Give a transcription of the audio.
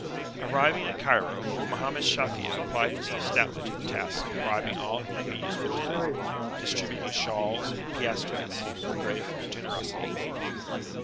Arrived at Cairo, Mohammed Shafi'a applied himself stoutly to the task of bribing all who could be useful to him, distributing shawls and piastres with great generosity.